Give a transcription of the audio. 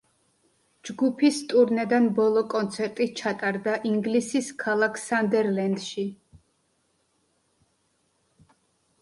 ჯგუფის ტურნედან ბოლო კონცერტი ჩატარდა ინგლისის ქალაქ სანდერლენდში.